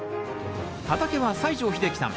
畑は西城秀樹さん